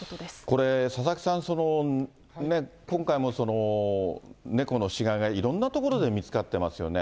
これ、佐々木さん、今回も猫の死骸がいろんな所で見つかってますよね。